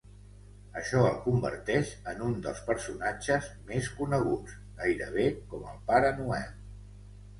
Això el converteix en un dels personatges més coneguts, gairebé com el Pare Noel.